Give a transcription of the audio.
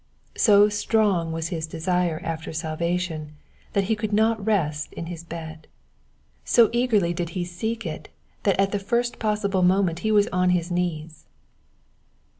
So strong was his desire after salvation that he could not rest in his bed ; so eagerly did he seek it that at the first possible moment he was on his knees.